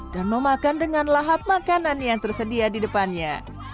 dan memakan dengan lahap makanan yang tersedia di depannya